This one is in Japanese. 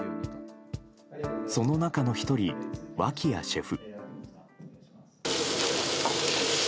その中の１人、脇屋シェフ。